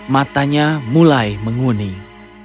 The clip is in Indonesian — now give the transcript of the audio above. matanya mulai menguning